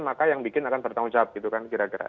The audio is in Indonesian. maka yang bikin akan bertanggung jawab gitu kan kira kira